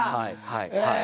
はいはい。